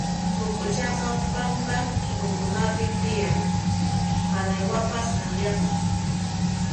Huk'uchaqa pampa t'uqukunapi tiyan, qaraywapas kaqllataq.